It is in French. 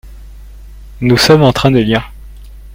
Nous sommes en train de lire.